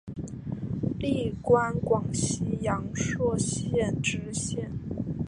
历官广西阳朔县知县。